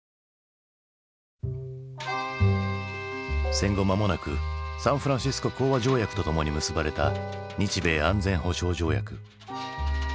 戦後間もなくサンフランシスコ講和条約とともに結ばれた日米安全保障条約。